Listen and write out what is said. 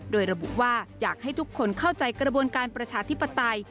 โดยระบุว่าอยากให้ทุกคนเข้าใจกระบวนการประชาธิปไตย